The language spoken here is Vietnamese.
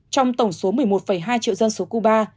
trong tổng số một mươi một hai triệu dân số cuba